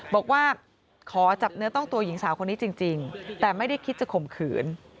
บอกว่าขอจับเนื้อต้องตัวหญิงสาวคนนี้จริงแต่ไม่ได้คิดจะข่มขืน